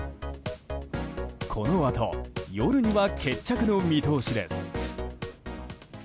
このあと夜には決着の見通しです。